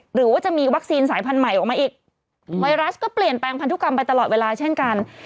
หรือว่าจะมีวัคซีนสายพันธุ์ใหม่ออกมาอีกไวรัสก็เปลี่ยนแปลงพันธุกรรมไปตลอดเวลาเช่นกัน